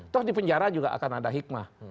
terus dipenjara juga akan ada hikmah